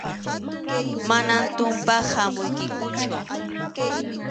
Manam tumpaq hamuykikuchu.